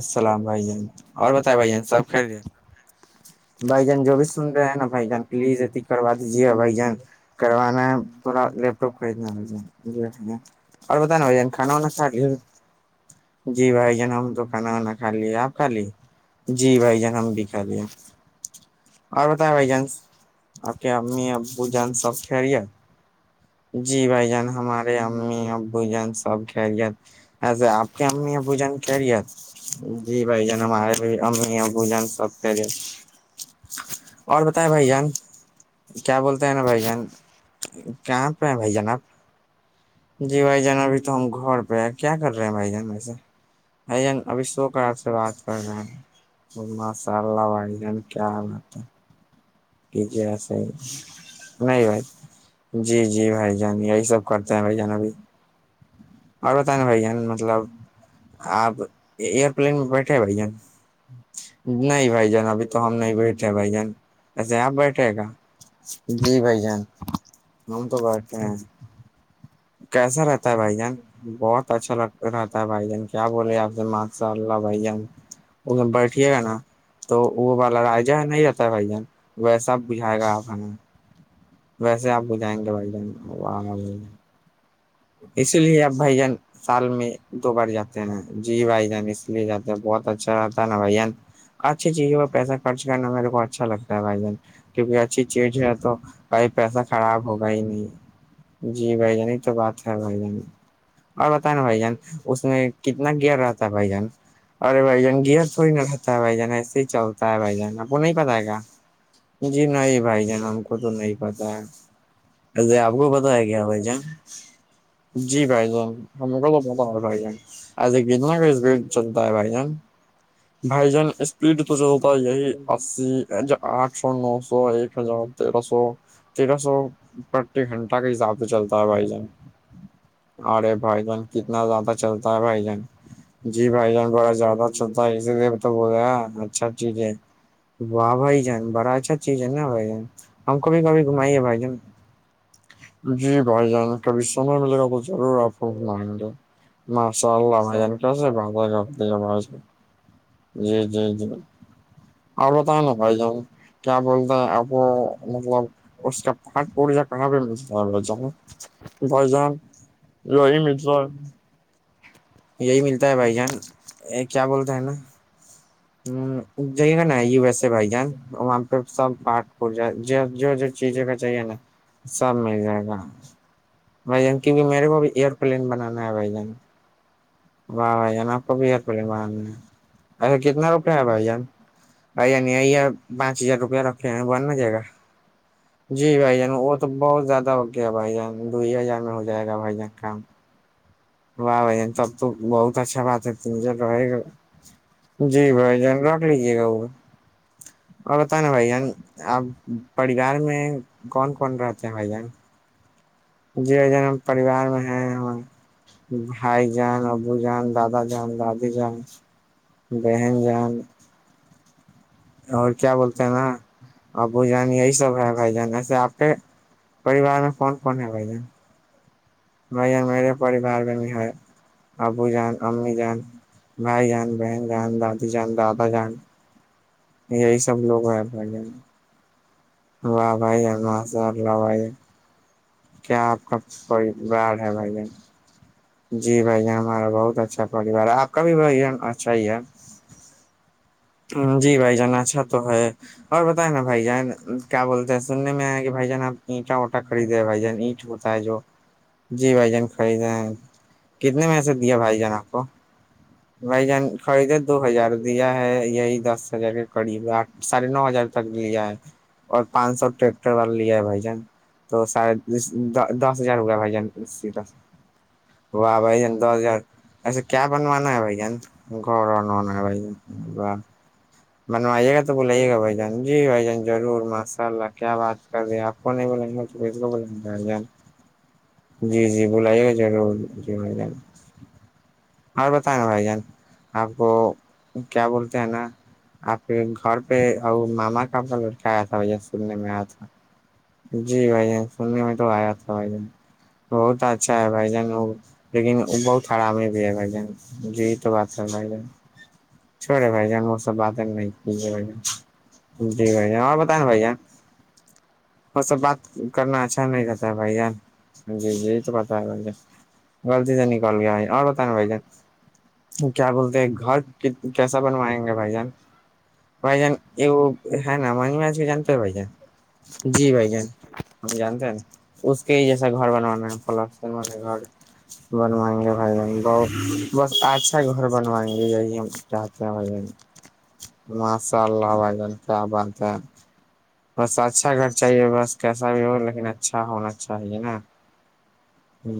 السلام بھائی جان اور بتیں بھائی جان سب کل رہ ہیں بھائی جان جو بھی سن رہے ہیں نا بھائی جان پلیز اتیھی کروا دیجیے بھائی جان کروانا ہے تھوڑا لیپ ٹاپ خریدنا ہو جی بھائی اور بتانا بھ کھانا وانا کھا لیج [inaudible] جی بھائی جنام تو [unintelligible] کھانا وانا کھا لیا آپ کھا لی جی بھائی جنم بھی کھا لیا اور بتائے بھائی جان آپ کے امی ابو جان سب خ رہ ہے [unintelligible] جی بھائی جان ہمارے امی ابو جان سب کھیل ج ایسے آپ کی امی یہ پوجن کہ رہی ہے جی بھائی جان ہمارے بھی امی ابو جان سب سےلے اور بتائیں بھائی جان کیا بولتے ہیں نا بھائی جان کہاں پہ ہیں بھائی جان آپ جی بھائی جان ابھی تو ہم گھر پہ ہیں کیا کر رہے ہیں بھائی جان وسے ا ابھی شوک آپ سے بات کر رہے ہیں [unintelligible] ماشاء اللہ بھائی جان کیا حالات تھا پ جیسی تو نہیں ب [unintelligible] جی جی بھائی جان یہی سب کرتے ہیں بھائی جان ابھی اور بت ن بھین مطلب آپ ایئرپلین میں بیٹھے بھین نہیں بھائی جان ابھی تو ہم نہیں بیٹھے ہیں بھائی جان ایسے آپ بیٹھے گا جی بھائی جان ہم تو بیٹھے ہیں کیسا رہتا ہے بھائی جان بہت اچھا لگ رہتا ہے بھائی جان کیا بولے آپ سے م انصاء اللہ بھائی بیٹھیے گا نا تو وہ والا رائجا نہیں رہتا بھیاان ویسا بجائے گا آپ ہمیں ویسے آپ بجھائیں گے بھائی جان اسی لیے اب بھائی جان سال میں دو بار جاتے ہیں جی بھائی جان اس لیے جاتے ہیں بہت اچھا رہتا ہے نا بھین اچھی چیزوں پر پیسہ خرچ کرنا میرے کو اچھا لگتا ہے بھائی جان کیونکہ اچھی چیز ہے تو بھائی پیسہ خراب ہوگا ہی نہیں جی بھائی جانی تو بات ہے بھائی جانی اور بت نا بھائی جان اس میں کتنا گیئر رہتا ہے بھائی جان ارے بھائی جان گیئر تھوڑی نہ رہتا ہے بھائی جان ایسے ہی چلتا ہے بھائی جان آپ کو نہیں پتا ہے گ جی نہیں بھائی جان ہم کو تو نہیں پتا ہے ایسے آپ کو پت ہے کیا بھائی جان جی بھائی جان ہم کو بتا بھائی جان آج ایک گتنا چلتا ہے بھائی جان بھائی جان اسپیڈ تو چلتا یہی اسی آٹھ سو نو سو ایک ہزار تیرہ سو تیرہ سو پرتی گھنٹہ کے حساب سے چلتا ہے بھائی جان ارے بھائیجان کتنا زیادہ چلتا ہے بھائیجان جی بھائی جان بڑا زیادہ چلتا ہے اسی لیے تو بول رہے اچھا چیز ہے واہ بھائی جان بڑا اچھا چیز ہے نا بھائی جان ہم کبھی کبھی گھمائیے بھائی جان جی بھائی جان کبھی سمے ملے گا تو ضرور آپ کو گھمائیں گے ماشاء اللہ بھائی جان کیسے بات گ اپنی جمع سے جی جی جی اور بتائیں نا بھائی جان کیا بولتے ہیں آپ مطلب اس کا پاٹ پجا کہاں پہ ملتا ہے میں جؤ بزان روی متر یہی ملتا ہے بھائی جان یہ کیا بولتے ہے نا جائیے گا نا یو ایس اے بھائی جان وہاں پہ سب پارٹ پا جو جو چیزوں کا چاہیے نا سب مل جائے گا بھائی جان کیونکہ میرے کو بھی ایئیرو پلین بنانا ہے بھائی جان واہ بھائی جان آپ کو بھی ح پے مان ایسا کتنا روپیہ ہے بھائی جان ا نہیںیا پانچ ہزار روپیہ رکھے ہیں بن نہ جائے گا جی بھائی جان وہ تو بہت زیادہ ہو گیا بھائی جان دو ہی ہزار میں ہو جائے گا بھائی جان کام واہ بھن تب تو بہت اچھا بات ہے ت رہے گا جی بھائی جان رکھ لیجے گا وہ اور بت نا بھائی جان آپ پریوار میں کون کون رہتے ہیں بھائی جان جی جن ہم پریوار میں ہیں ہم بھائی جان ابو جان دادا جان دادی جان بہن جان اور کیا بولتے ہیں نا ابو جان یہی سب ہے بھائی جان ایسے آپ کے پریوار میں کون کون ہے بائی جا ب میرے پریوار میں بھی ہے ابو جان امی جان مائی جان بن جان دادی جان دادا جان یہی سب لوگ ہیں بھائی واہ بھائی الم سےء اللہ بھائی کیا آپ کا کوئی بیار ہے بھائی جن جی بھائی یہ ہمارا بہت اچھا پریوار ہے آپ کا بھی بھائی اچھا ہی ہے جی بھائی جان اچھا تو ہے اور بتائیں نا بھائی جان کیا بولتے ہیں سننے میں آئے کہ بھائی جان آپ اینٹا اٹا خریدے بھائی جان اینٹ ہوتا ہے جو جی بھائی جان خریدے ہیں کتنے میں سے دیا بھائی جان آپ کو بھائی جان خریدے دو ہزار دیا ہے یہی دس ہزار کے قریب آٹھ سڑھے نو ہزار تک لیا ہے اور پانچ سو ٹریکٹر والا لیا ہے بھائی جان تو سارے دس ہزار ہو گیا بھائی جان اسی طح واہ بھائی جین دس ہزار ایچھا کیا بنوانا ہے بھائی جین گ بنوانا ہے بھ ج بنوائیے گا تو بلائیے گا بھائی جان جی بھائی جان ضرور ماشاء اللہ کیا بات کر رہے آپ کونے بول جی جی بلائیے ضرور جی ج اور بتائ نا بھائی جان آپ کو کیا بولتے ہیں نا آپ کے گھر پہ اور ماما کاڑ لڑکا آیا تھا بھیا سننے میں آیا تھا جی بھائی جان سننے میں تو آیا تھا بھائی جان بہت اچھا ہے بھائی جان وہ لیکن وہ بہت خرام ہے ج بھ ج جی تو بات ہے بھائی ج چوڑے بھائی جان وہ سب باتیں نہیں کیجیے بھائی جان جی بھیا اور بتائیں نا بھیا وہ سب بات کرنا اچھا نہیں کرتا ہے بھائی جی جی یہ تو پتا ہے بول غلطی سے نکل گیا اور ا بھائی جان کیا بولتے ہیں گھر کیسا بنوائیں گے بھائی جان بھائی جان ا وہ ہ ن مج میں آج کے جانتے ہیں بائی جان جی بائی جان ہم جانتے ہیں نا اس کے ہی جیسا گھر بنوانا ہے پلستنوانے گھر بنوائیں گے بھائی ہم بہت بس اچھا گھر بنوائیں گے یہی ہم ج ماشاء اللہ وائی جن کیا بات ہے بس اچھا گھر چاہیے بس کیسا بھی ہو لیکن اچھا ہونا چاہیے نا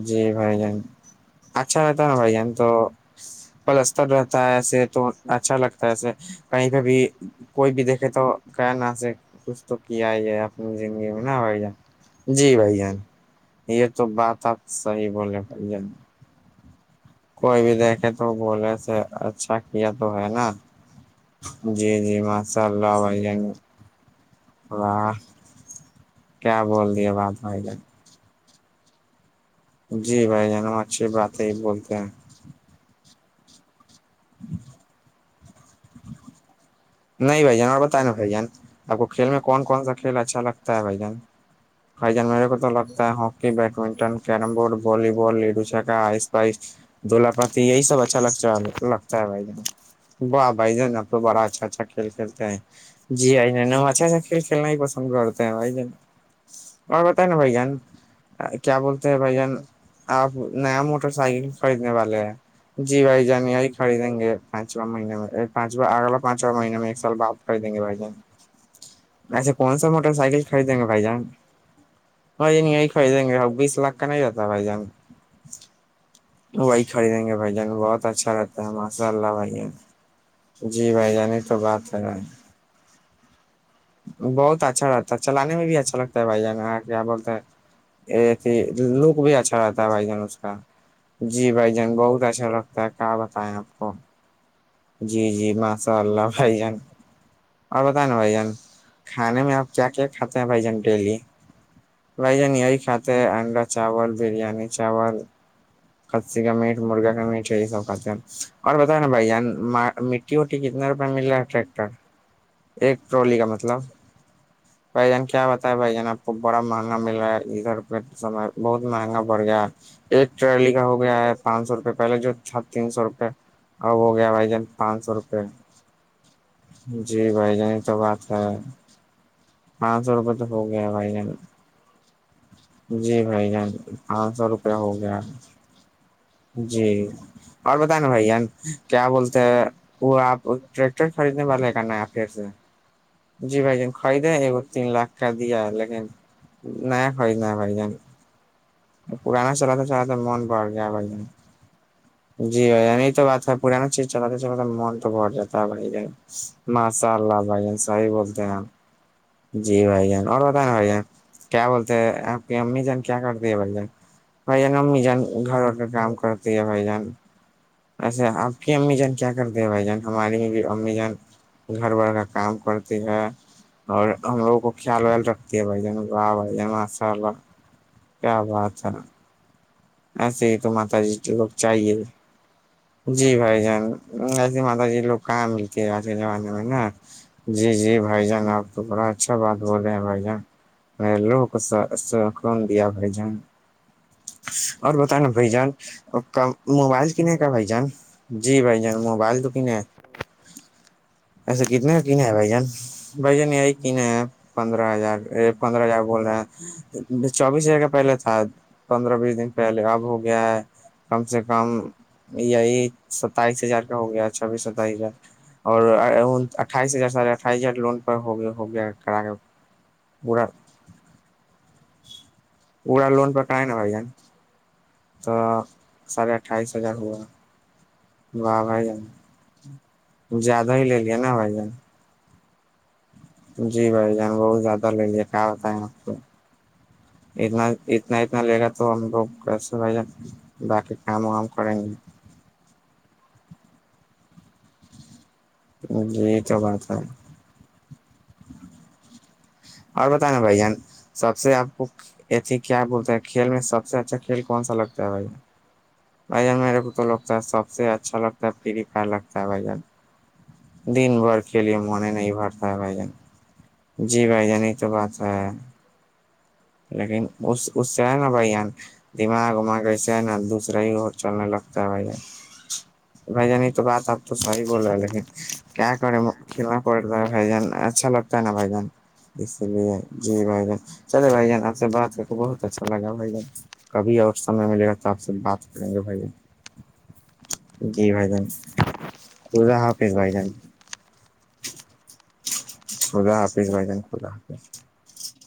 جی بھائی جان اچھا رہتا ہے نا بھائی جین تو پلستر رہتا ہے ایسے تو اچھا لگتا سے کہیں پہ بھی کوئی بھی دیکھے تو گ ن تو کیئی آ ج گ نہ بائی جان جی بائی جان یہ تو بات آپ صحی بولے بھائی کوئی بھی دیکھے تو بولے تھ اچھا کیا تو ہے نا جی جی ماشاء اللہ بائی ال کیا بول رہی ہے بات ب گ جی بھائی جنام اچھی بات ہے ہی بولتے ہیں جی نہیں بھائی جان اور بتائیںا بھائی جان آپ کو کھیل میں کون کون سا کھیل اچھا لگتا ہے بھائی جان بھائی جان میرے کو تو لگتا ہے hockey badminton carrom board volleyball لڈو چھکا آئس پائس دلہپتی یہی سب اچھا لگتا ہے لگتا ہے بھائی ج واہ بھائی جان اب تو بڑا اچھا اچھا کھیل کھیلتے ہیں جی اچھا اچھا کھیل کھیلنا ہی پسند کرتے ہیں بھائی ج اور بتائیں نا بھائی جان کیا بولتے ہیں بھ جان آپ نیا موٹر سائیکل خریدنے والے ہیں جی بھائی جان یہی خریدیں گے پانچواں مہینے میںانچواں اگلا پانچواں مہیین ایک سال بات کر دیں گے بھائی جان اچھا کون سا موٹر سائیکل خریدیں گے بھائی جان وہ یہ خری جائیں گے بیس لاکھ کا نہیں رہتا بھائی جان وہی خریدیں گے بھائی جان بہت اچھا رہتا ہے ماشاء اللہ بھائی جان جی بھائی جانی تو بات ہے بہت اچھا لگتا ہے چلانے میں بھی اچھا لگتا ہے بھائی جان کیا بولتا ہے ای لک بھی اچھا رہتا ہے بھائی جان اس کا جی بھائی جان بہت اچھا لگتا ہے کیا بتائے آپ کو جی جی ماشاء اللہ بھائی جان اور بت نا بھ جان کھانے میں آپ کیا کیا کھاتے ہیں بھائی جان ڈیلی بائی ج ن یہ خات اڈا چاول برییاانی چاول کسی کا میٹ مرغے کا میٹ ہے یہ سب کرتے ہیں اور بتائیں نا بھائیان می ٹی ووٹی کتنا روپئے مل رہا ہے ٹریکٹر ایک ٹرالی کا مطلب بھ جان کیا بتائے بھ جان آپ کو بڑا مہنگا مل رہا ہے ادھر پھر سم بہت مہنگا پڑ گیا ہے ایک ٹری کا ہو گیا ہے پانچ سو روپئے پہلے جو تین سو روپئے اب ہو گیا بھائی جان پانچ سو روپئے جی بھائی جنی تو بات ہےیں پانچ سو روپئے تو ہو گیا بھائی ج جی بھ جان پانچ سو روپئے ہو گیا ہے جی اور بتائ نا بھیا کیا بولتے ہیں وہ آپ ٹریکٹر خریدنے والے کا نیا پھر سے جی بھائی جان خریدیں ایک تین لاکھ کا دیا ہے لیکن نیا خریدنا ہے بھائی جان پانا چلااتے چلااتے من بڑ گیا ہے بڑیاں جی بھ ج یہ تو بات ہے پرانا چیز چلاتا من تو گٹ جاتا ہے بھائی ماشاء اللہ بھائین صحیح بولتے ہیں آپ جی بھائی جان اور بتائیں نا بھائی جان کیا بولتے ہیں آپ کی امی جان کیا کرتے کر بھ ج بھ ج ممی جان گھر اورور کے کام کرتی ہے بھ جن اچسا آپ کی امی جان کیا کرتے ہیں بھائی جان ہماری میں بھی امی جان گھر ب کا کام کرتی ہے اور ہم لو کو خیال ہول رکھتے بائی جان با بجن ماسل کیا بات ہے ایسے ہی تو ماتا جی جو لوگ چاہیے جی بھائی جان ایسیے ماتا جی لوگ کہاں ملتی ہے آج کے زمانے میں نا جی جی بھائی جان آپ تو بڑا اچھا بات بول رہے ہیں بھائی جان لو کو دیا بھائی جان اور بت نا بھ جان ک موبائل کنے کا بھ جان جی بھ جان موبائل ن ایسے کتنے کا کینے ہے بھ جان بھ جن یہی کینے ہیں پندرہ ہزار پندرہ ہزار بول رہے ہیں چوبیس ج کا پہلے تھا پندرہ بیس دن پہلے اب ہو گیا ہے کم سے کم یہی ستائیس ہزار کا ہو گیا چھبیس ستائیس ہزار اور اٹھائیس ہزار ساھے اٹھائیس ہزار لون پ پر ہو گیا ہو گیا کرا کے پورا پڑا لون پ ہے نا بھائی جن تو ساڑھے اٹھائیس ہزار ہوا بوہ ہزار زیادہ ہی لے لیا نا بھائی جان جی بھائی جان بہت زیادہ لے لیا کہ بتیں آ کو اتنا اتنا اتنا لے گا تو ہم لوگ کیسے بھائی باقی کام وام کریں گے جی یہ تو بات ہے اور بتائ نا بھ جان سب سے آپ کو ایتھی کیا بولتے ہیں کھیل میں سب سے اچھا کھیل کون سا لگتا ہے تا ہےھ بھن میرے کو تو لگتا ہے سب سے اچھا لگتا ہے فری فائر لگتا ہے بھجن دن بھر کے لیے منے نہیں بھرتا ہے بھائی جان جی بھائی جان یہ تو بات ہے لیکن اس اس سے ہے نا بھائیان دماغ وماغسے ہے نا دوسرے ہی اور چل لک ج ہے [unintelligible] بھائی جان یہ تو بات اب تو سی بول رہے لیکن کیا کرے بھائی جان اچھا لگتا نا بھائی جان اسی لیے جی بھائی جان چلے بھائی جان [unintelligible] آپ سے بات کر کے بہت اچھا لگا بھائی کبھی اور سمے ملے گا تو آپ سے بات کریں گے بھائی جی بھائی جان خظا حافظ بھائی جان خدا حفیس بھ جن خدا حفی